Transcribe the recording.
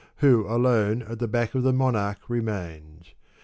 Who, alone, at the back of the monarch remains.